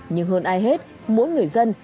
nhưng hơn ai hết mỗi người dân